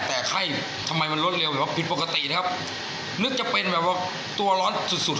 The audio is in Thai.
แต่ไข้ทำไมมันลดเร็วแบบว่าผิดปกตินะครับนึกจะเป็นแบบว่าตัวร้อนสุดสุด